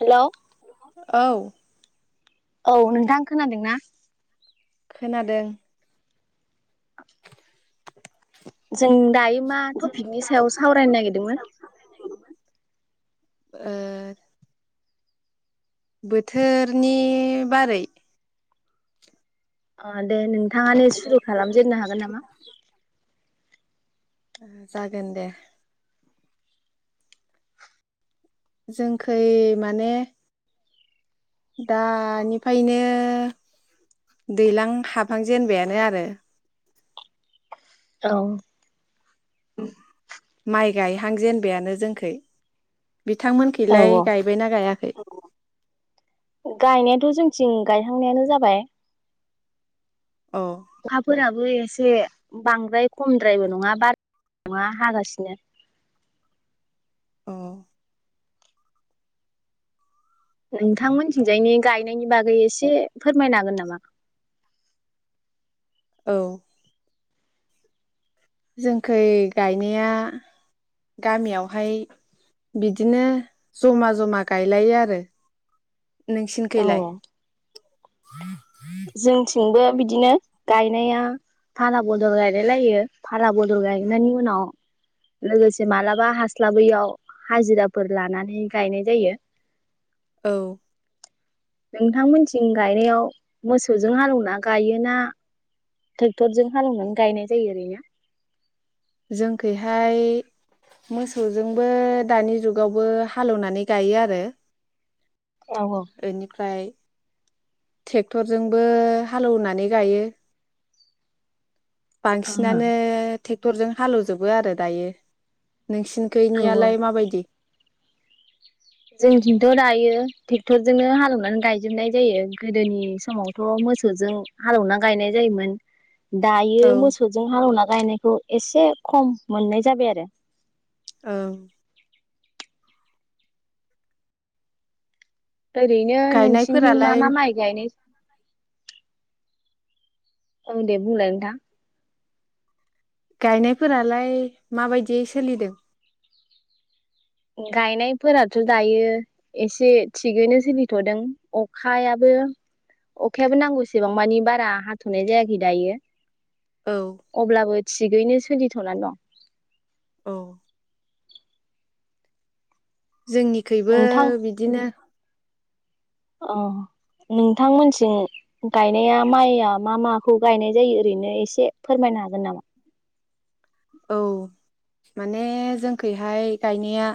Hello औ औ नोंथां खोनादोंना? खोनादों [inaudible] [inaudible] जों दायो मा टपिकनि सायाव सावरायनो नागिरदोंमोन? ओ बोथोरनि बारै दे नोंथाङानो सुरु खालामजेननो हागोन नामा? जागोन दे। जोंखै माने दानिफायनो दैलां हाबहांजेनबायानो आरो। औ माइ गायहां जेनबायानो जोंखै। औ बिथांमोनखैलाय गायबायना गायाखै? गायनायाथ' जोंथिं गायहांनायानो जाबाय। अ अखाफोराबो एस से बांद्राय खमद्रायबो नङा बार [inaudible] नङा हागासिनो। अ नोंथांमोनथिंजायनि गायनायनि बागै एसे फोरमायनो हागोन नामा? औ जोंखै गायनाया गामियावहाय बिदिनो जमा जमा गायलायो आरो। औ नोंसिनखैलाय? [inaudible] जोंथिंबो बिदिनो गायनाया फाला बदल गायलाय लायो फाला बदल गायनायनि उनाव लोगोसे मालाबा हास्लाबैयाव हाजिराफोर लानानै गायनाय जायो। औ नोंथांमोनथिं गायनायाव मोसौजों हालौना गायोना ट्रेक्टरजों हालौनानै गायनाय जायो ओरैनो? जोंखैहाय मोसौजोंबो दानि जुगावबो हालौनानै गायो आरो । औ औ। ओनिफ्राय ट्रेक्टरजोंबो हालेवनानै गायो । बांसिनानो औ ट्रेक्टरजों हालेवजोबो आरो दायो । नोंसिनि औ खैनियालाय माबायदि? जोंनिथिंथ दायो ट्रेक्टरजोंनो हालेवनानै गायजोबनाय जायो गोदोनि समावथ मोसौजों हालेवना गायनाय जायोमोन। औ दायो मोसौजों हालेवना गायनाय ओ एसे खम मोननाय जाबाय आरो । ओं। ओरैनो नोंसिनिथिं मा गायनायफोरालाय मा माइ गायनाय ज औ दे बुंलाय नोंथां । गायनायफोरालाय माबायदि सोलिदों? गायनायफोराथ दायो एसे थिगैनो सोलिथदों अखायाबो अखायाबो नांगौसेबां मानि बारा हाथ'नाय जायाखै दायो। औ अब्लाबो थिगैनो सोलिथना दं। औ जोंनिखबो नोंथां बिदिनो अ नोंथांमोनसि गायनाया माइआ मा माखौ गायनाय जायो ओरैनो एसे फोरमायनो हागोन नामा? औ माने जोंखैहाय गायनाया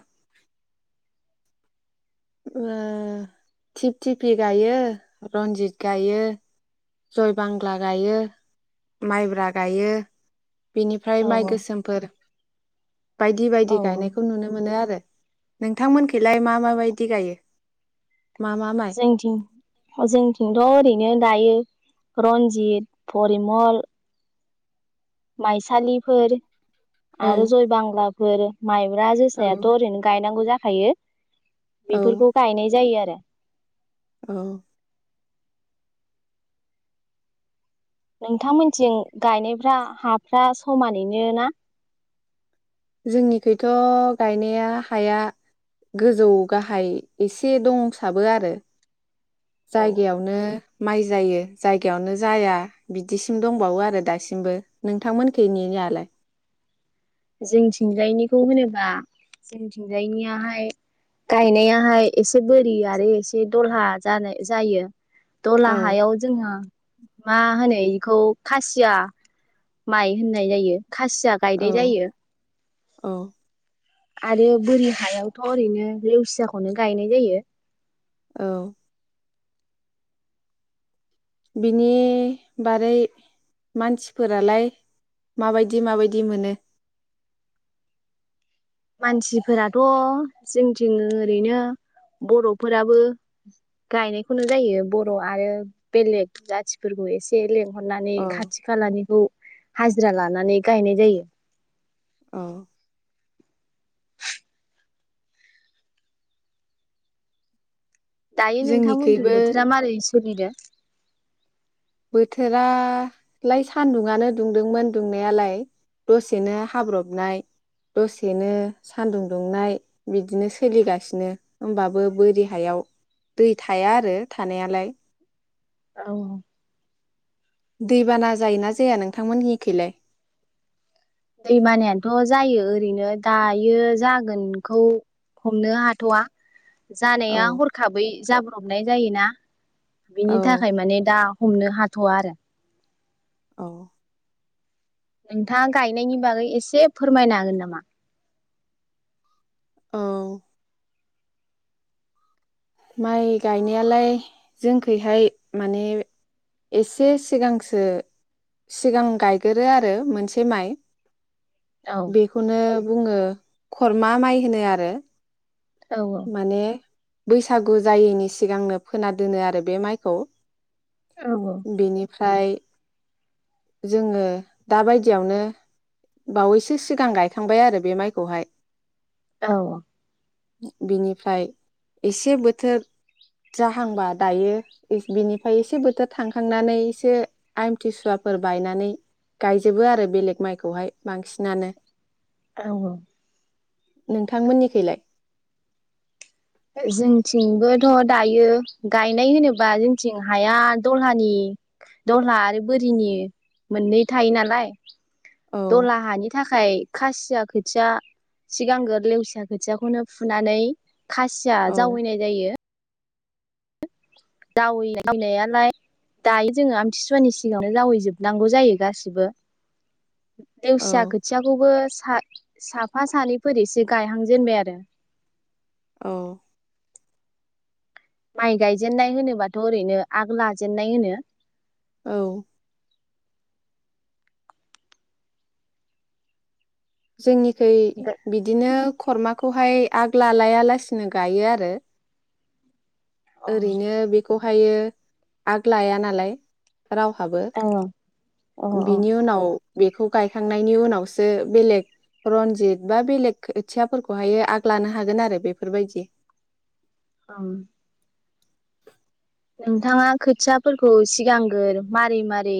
ओ थिप थिफि गायो रन्जित गायो जय बांग्ला गायो माइब्रा गायो बेनिफ्राय औ माइ गोसोमफोर बायदि औ बायदि गायनायखौ नुनो मोनो आरो । नोंथांमोनखैलाय मा माबायदि गायो? मा मा माइ जोंथिंअ जोंथिंथ ओरै बिदिनो दायो रनजित परिमल माइसालिफोर औ आरो जयबांग्लाफोर माइब्रा जोसायाथ औ ओरैनो गायनांगौ जा खायो । बेफोरखौ गायनाय जायो आरो । [inaudible] औ । नोंथांमोनथिं गायनायफ्रा हाफ्रा समानैनो ना? जोंनिखैथ गायनाया हाया गोजौ गाहाय एसे दंसाबो आरो। औ जायगायावनो माइ जायो जायगायावनो जाया बिदिसिम दंबावो आरो दासिमबो नोंथांमोननिखै नियालाय जोंथिंजायनिखौ होनोबा जोंथिंजायनियाहाय गायनायाहाय एसे बोरि आरो एसे दलहा जानाय जायो दला औ हायाव जोंहा मा होनो बेखौ खासिया माइ होननाय जायो खासिया गायनाय औ जायो औ आरो बोरि हायावथ' ओरैनो लेवसियाखौनो गायनाय जायो औ बिनि बारै मानसिफोरालाय माबायदि माबायदि मोनो मानसिफोराथ' जोंथिं ओरैनो बर'फोराबो गायनायखौनो जायो बर' आरो बेलेग जाथिफोरखौ एसे लें हरनानै औ खाथि खालानिखौ हाजिरा लानानै गायनाय जायो औ दायो नोंथांमोनजों जोंनिखैबो बोथोरा मारै फनिदा बोथोरालाय सान्दुंनो दुंदोंमोन दुंनायालाय दसेनो हाब्रबनाय दसेनो सान्दुं दुंनाय बिदिनो सोलिगासिनो होमबाबो बोरि हायाव दै थाया आरो थानायालाय औ दैबाना जायोना जाया नोंथांमोननिखैलाय दैमानायानोथ' जायो ओरैनो दायो जागोनखौ हमनो हाथ'वा औ जानाया हरखाबै जाब हमनाय जायोना औ बिनि थाखाय माने दा हमनो हाथ'वा आरो औ नोंथाङा गायनायनि बागै एसे फोरमायनो हागोन नामा औ माइ गायनायालाय जोंखैहाय माने एसे सिगांसो सिगां गायगोरो आरो मोनसे माइ औ बेखौनो बुङो खरमा माइ होनो आरो औ माने बैसागु जायैनि सिगांनो फोना दोनो आरो बे माइखौ औ औ ओमफ्राय जोङो दाबायदियावनो बावैसो सिगां गायखांबाय आरो बे माइखौहाय औ बिनिफ्राय एसे बोथोर जाहांबा दायो बिनिफ्राय एसे बोथोर थांखांनानै एसे आमथिसुवाफोर बायनानै गायजोबो आरो बेलेग माइखौहाय बांसिनानो औ औ नोंथांमोननिखैलाय जोंथिंबोथ' दायो गायनाय होनोब्ला जोंथिं हाया दहलानि दहला आरो बोरिनि मोननै थायो नालाय। औ दलाहानि थाखाय। थाखाय खासि खासिया औ जावैनाय जायो। जावै जावनायालाय दायो जोङो आमथिसुवानि सिगांनो जावैजोबनांगौ जायो गासिबो। औ देवसिया खोथियाखौबो। साफा सानैफोर एसे गायहांजेनबाय आरो। औ। माइ गायजेननाय होनोबाथ' ओरैनो आग लाजेननाय होनो। औ। जोंनि। खै बिदिनो। खरमाखौहाय आग लालाया लासिनो गायो आरो। अ ओरैनो बेखौ ओमफ्रायो आग लाया नालाय। रावहाबो अ अ बिनि उनाव। बेखौ गायखांनायनि उनावसो बेलेग रनजित बा बेलेग खोथियाफोरखौहाय आग लानो हागोन आरो बेफोरबायदि । औ। नोंथाङा खोथियाफोरखौ सिगांग्र मारै मारै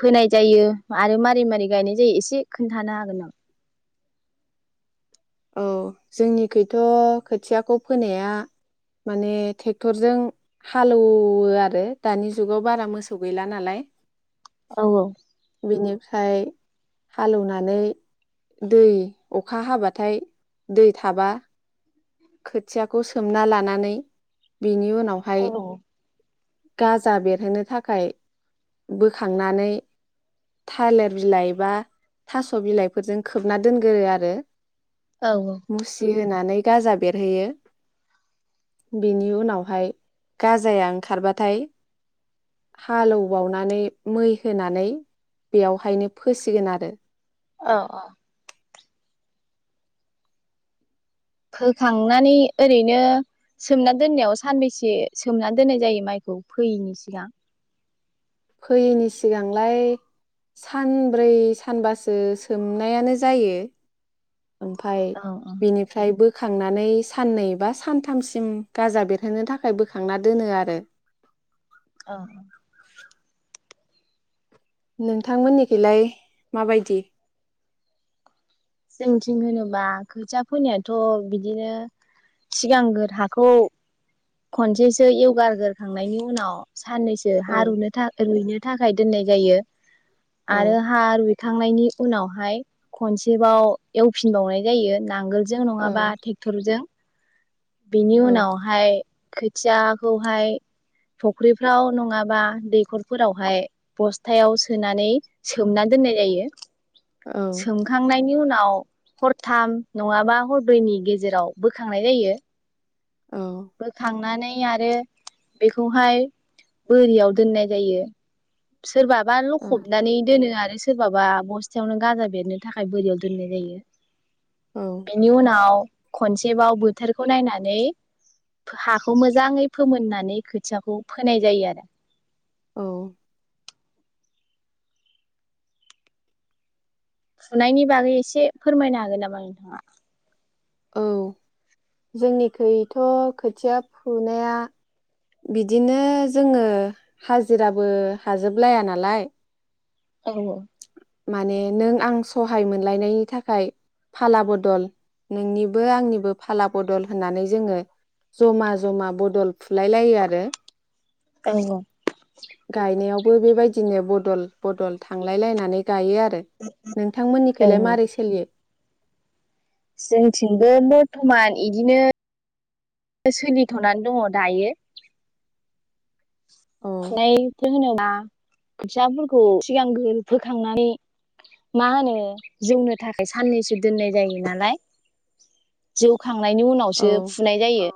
फोनाय जायो आरो मारै मारै गायनाय जायो एसे खोन्थानो हागोन आं। औ जोंनिखथ' खोथियाखौ फोनाया माने ट्रेक्टरजों हालौवो आरो दानि जुगाव बारा मोसौ गैला नालाय। औ औ। बेनिफ्राय हालेवनानै दै अखा हाबा। नाथाय दै थाबा। खोथियाखौ सोमना लानानै। बिनि उनावहाय। औ गाजा बेरहोनो थाखाय बोखांनानै थालिर बिलाइ बा थास' बिलाइफोरजों खोबना दोनगोरो आरो। मुसि होनानै। गाजा बे बेरहोयो बेनि उनावहाय गाजाया ओंखारबाथाय हालेबावनानै मै होनानै बेयावहायनो फोसिगोन आरो। अ अ। फोखांनानै ओरैनो सोमना दोननायाव सानबैसे सोमना दोननाय जायो माइखौ फोयैनि सिगां। फैयैनि सिगांलाय सानब्रै सानबासो सोमनायानो जायो। ओमफाय औ औ बिनिफ्रायबो। बोखांनानै साननै बा सानथामसिम गाजा बेरहोनो थाखाय बोखांना दोनो आरो। औ। नोंथांमोननिखौैलाय माबायदि। जोंथिं होनोबा खोथिया फोनायाथ' बिदिनो सिगांग्र हाखौ खनसेसो यवगारग्रखांनायनि उनाव। साननैसो औ हा रुनो रुइनो थाखाय दोननाय जायो। औ आरो हार खांनायनि उनावहाय खनसे सेबाव एवफिनबावनाय जायो नांगोल जों औ नङाबा टेक्टरजों। बिनि औ उनावहाय। खोथियाखौहाय फख्रिफ्राव नङाबा दैखरफोरावहाय बस्थायाव सोनानै सोमना दोननाय जायो। औ सोंखांनायनि। नि उनाव हरथाम नङाबा हरदब्रैनि गेजेराव बोखांनाय जायो। बोखांनानै। आरो बेखौहाय बोरियाव दोननाय जायो। सोरबाबा औ लखबनानै दोनो आरो। सोरबाबा बस्थायावनो गाजा बेरनो थाखाय बोरियाव दोननाय जायो। औ बेनि उनाव खनसेबाव बोथोरखौ नायनानै। हाखौ मोजाङै फोमोननानै खोथियाखौ फोनाय जायो आरो। औ। फुनायनि बागै एसे फोरमायनो हागोन नामा नोंथाङा? औ जोंनिखैथ' खोथिया फुनाया बिदिनो जोङो हाजिराबो हाजोबलाया नालाय। औ औ। माने नों आं सहाय मोनलायनायनि थाखाय फाला बदल नोंनिबो आंनिबो फाला बदल होननानै जोङो जमा जमा बदल। फुलायलायो आरो औ गायनायाव। बेबायदिनो बदल बदल। थांलायलायनानै गायो आ [unintelligible] औ नोंथांमोननिखैलाय मारै सोलियो? जोंथिंबो बरथमान इदिनो सोलिथ'नानै दङ दायो। औ [unintelligible] माहोनोबा खोथियाफोरखौ सिगांगोर फोखांनानै मा होनो जौनो थाखाय साननैसो दोननाय जायो नालाय जौ खांनायनायनि औ उनावसो फुनाय जायो।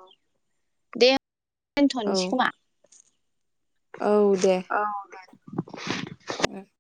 दे। औ दोनथ'सै खोमा। औ दे। उम।